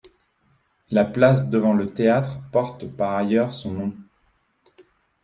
La place devant le théâtre porte par ailleurs son nom.